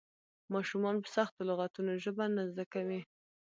ماشومان په سختو لغتونو ژبه نه زده کوي.